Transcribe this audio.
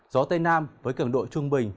gió tây nam với cường độ trung bình